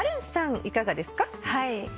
いかがですか？